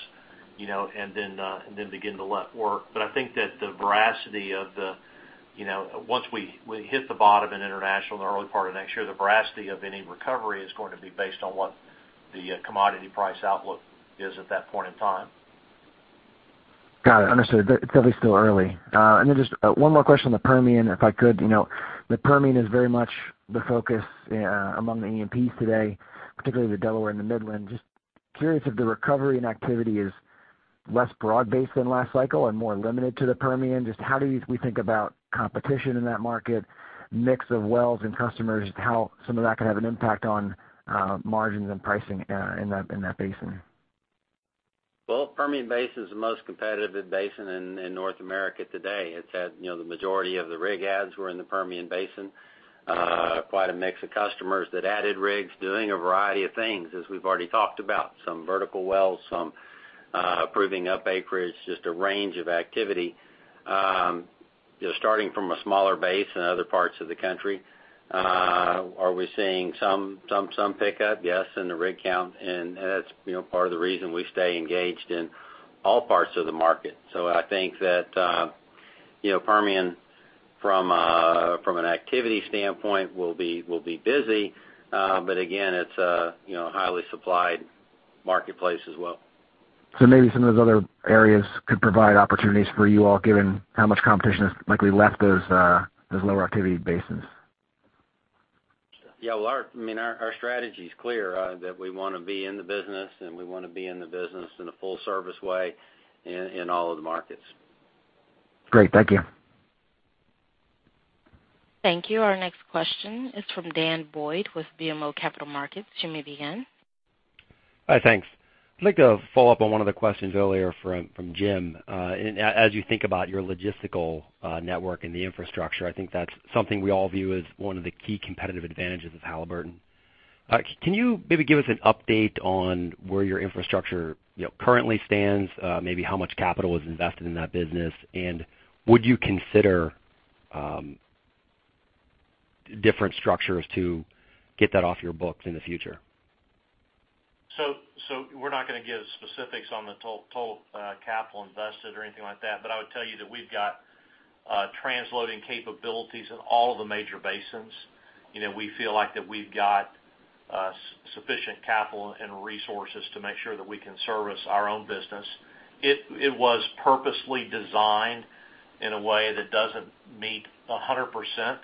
then begin to let work. I think that the veracity of the once we hit the bottom in international in the early part of next year, the veracity of any recovery is going to be based on what the commodity price outlook is at that point in time. Got it. Understood. It's definitely still early. Then just one more question on the Permian, if I could. The Permian is very much the focus among the E&Ps today, particularly the Delaware and the Midland. Curious if the recovery and activity is less broad-based than last cycle and more limited to the Permian. How do you we think about competition in that market, mix of wells and customers, how some of that could have an impact on margins and pricing in that basin? Well, Permian Basin is the most competitive basin in North America today. It's had the majority of the rig adds were in the Permian Basin. Quite a mix of customers that added rigs, doing a variety of things, as we've already talked about. Some vertical wells, some proving up acreage, just a range of activity. Starting from a smaller base in other parts of the country. Are we seeing some pickup? Yes, in the rig count, and that's part of the reason we stay engaged in all parts of the market. I think that Permian from an activity standpoint will be busy. Again, it's a highly supplied marketplace as well. Maybe some of those other areas could provide opportunities for you all, given how much competition has likely left those lower activity basins. Yeah. Well, our strategy's clear that we want to be in the business and we want to be in the business in a full service way in all of the markets. Great. Thank you. Thank you. Our next question is from Dan Boyd with BMO Capital Markets. You may begin. Hi, thanks. I'd like to follow up on one of the questions earlier from Jim. As you think about your logistical network and the infrastructure, I think that's something we all view as one of the key competitive advantages of Halliburton. Can you maybe give us an update on where your infrastructure currently stands? Maybe how much capital was invested in that business, and would you consider different structures to get that off your books in the future? We're not going to give specifics on the total capital invested or anything like that. I would tell you that we've got transloading capabilities in all of the major basins. We feel like that we've got sufficient capital and resources to make sure that we can service our own business. It was purposely designed in a way that doesn't meet 100%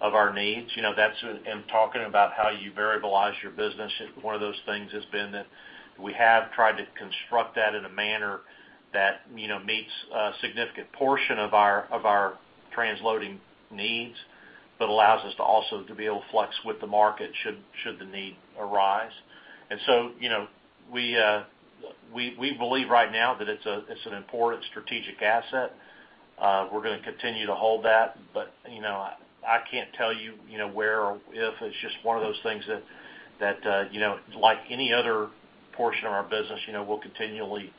of our needs. That's in talking about how you varialize your business. One of those things has been that we have tried to construct that in a manner that meets a significant portion of our transloading needs, but allows us to also to be able to flex with the market should the need arise. We believe right now that it's an important strategic asset. We're going to continue to hold that. I can't tell you where or if. It's just one of those things that, like any other portion of our business, we'll continually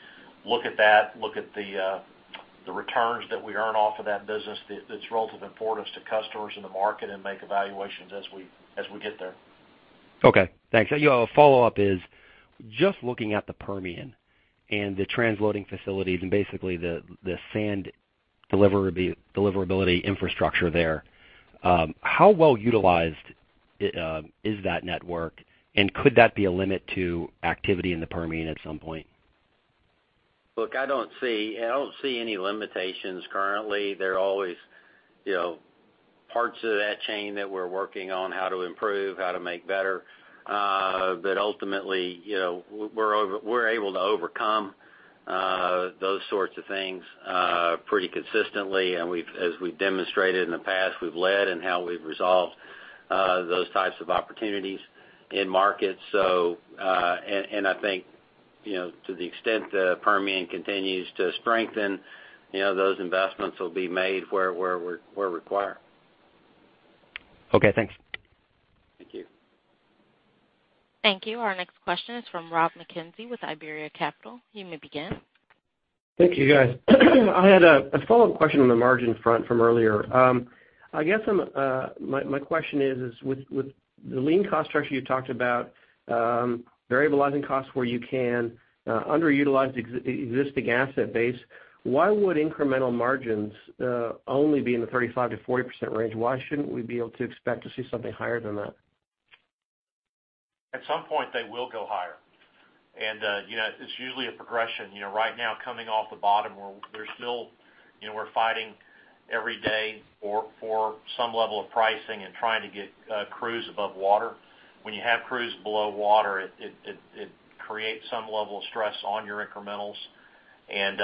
look at that, look at the returns that we earn off of that business, its relative importance to customers in the market, and make evaluations as we get there. Okay, thanks. A follow-up is just looking at the Permian and the transloading facilities and basically the sand deliverability infrastructure there. How well utilized is that network, and could that be a limit to activity in the Permian at some point? Look, I don't see any limitations currently. There are always parts of that chain that we're working on how to improve, how to make better. Ultimately, we're able to overcome those sorts of things pretty consistently. As we've demonstrated in the past, we've led in how we've resolved those types of opportunities in markets. I think to the extent the Permian continues to strengthen, those investments will be made where required. Okay, thanks. Thank you. Thank you. Our next question is from Rob MacKenzie with Iberia Capital. You may begin. Thank you, guys. I had a follow-up question on the margin front from earlier. I guess my question is, with the lean cost structure you talked about, variableizing costs where you can, underutilized existing asset base, why would incremental margins only be in the 35%-40% range? Why shouldn't we be able to expect to see something higher than that? At some point, they will go higher. It's usually a progression. Right now, coming off the bottom, we're fighting every day for some level of pricing and trying to get crews above water. When you have crews below water, it creates some level of stress on your incrementals, and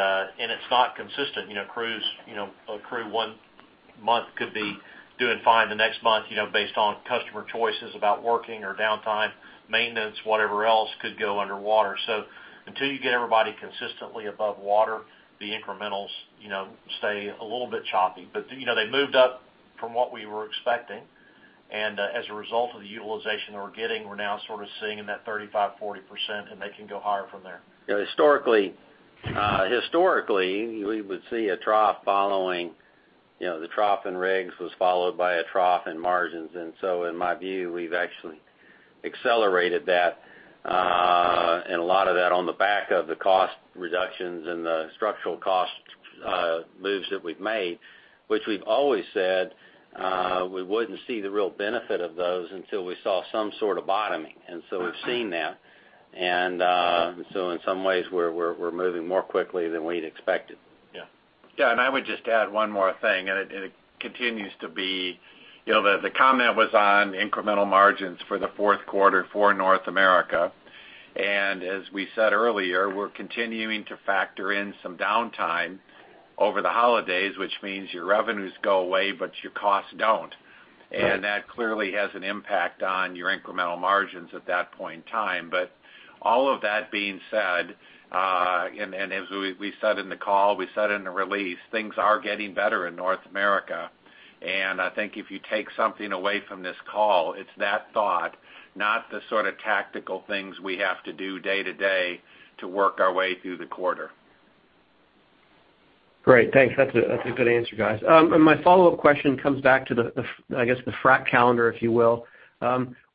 it's not consistent. A crew one month could be doing fine. The next month, based on customer choices about working or downtime, maintenance, whatever else, could go underwater. Until you get everybody consistently above water, the incrementals stay a little bit choppy. They moved up from what we were expecting. As a result of the utilization that we're getting, we're now sort of seeing in that 35%-40%, and they can go higher from there. Historically, we would see a trough, the trough in rigs was followed by a trough in margins. In my view, we've actually accelerated that and a lot of that on the back of the cost reductions and the structural cost moves that we've made, which we've always said we wouldn't see the real benefit of those until we saw some sort of bottoming. We've seen that. In some ways, we're moving more quickly than we'd expected. Yeah. Yeah, I would just add one more thing, it continues to be the comment was on incremental margins for the fourth quarter for North America. As we said earlier, we're continuing to factor in some downtime over the holidays, which means your revenues go away, but your costs don't. Right. That clearly has an impact on your incremental margins at that point in time. All of that being said, as we said in the call, we said in the release, things are getting better in North America. I think if you take something away from this call, it's that thought, not the sort of tactical things we have to do day to day to work our way through the quarter. Great. Thanks. That's a good answer, guys. My follow-up question comes back to the, I guess, the frac calendar, if you will.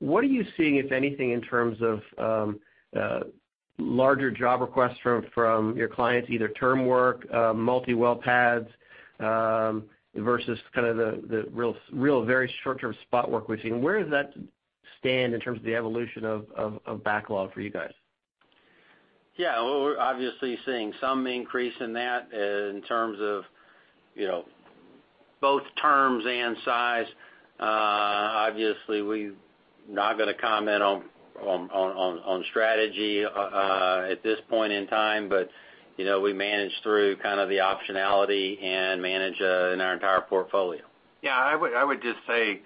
What are you seeing, if anything, in terms of larger job requests from your clients, either term work, multi-well pads, versus kind of the real very short-term spot work we've seen? Where does that stand in terms of the evolution of backlog for you guys? Yeah. Well, we're obviously seeing some increase in that in terms of both terms and size. Obviously, we're not going to comment on strategy at this point in time. We manage through kind of the optionality and manage in our entire portfolio. Yeah, I would just say,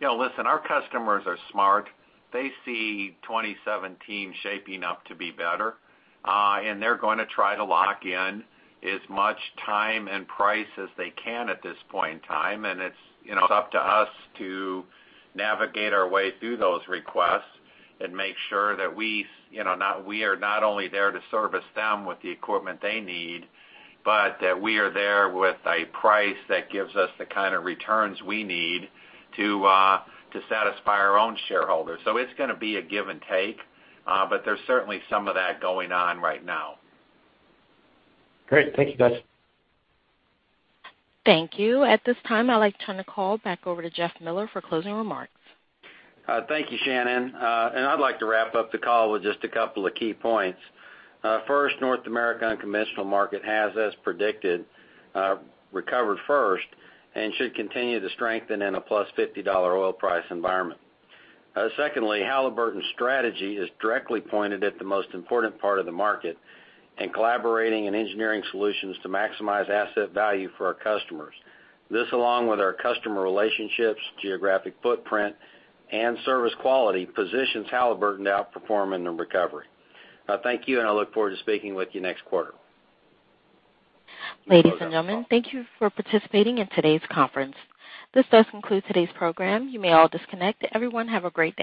listen, our customers are smart. They see 2017 shaping up to be better. They're going to try to lock in as much time and price as they can at this point in time. It's up to us to navigate our way through those requests and make sure that we are not only there to service them with the equipment they need, but that we are there with a price that gives us the kind of returns we need to satisfy our own shareholders. It's going to be a give and take, but there's certainly some of that going on right now. Great. Thank you, guys. Thank you. At this time, I'd like to turn the call back over to Jeff Miller for closing remarks. Thank you, Shannon. I'd like to wrap up the call with just a couple of key points. First, North America unconventional market has, as predicted, recovered first and should continue to strengthen in a plus $50 oil price environment. Secondly, Halliburton's strategy is directly pointed at the most important part of the market in collaborating and engineering solutions to maximize asset value for our customers. This, along with our customer relationships, geographic footprint, and service quality, positions Halliburton to outperform in the recovery. Thank you, and I look forward to speaking with you next quarter. Ladies and gentlemen, thank you for participating in today's conference. This does conclude today's program. You may all disconnect. Everyone have a great day.